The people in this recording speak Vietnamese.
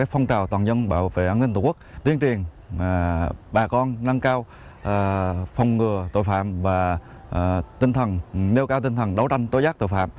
phong ngừa tội phạm và nêu cao tinh thần đấu tranh tối giác tội phạm